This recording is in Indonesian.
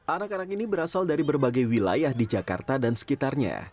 anak anak ini berasal dari berbagai wilayah di jakarta dan sekitarnya